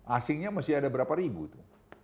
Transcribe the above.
asingnya mesti ada berapa ribu itu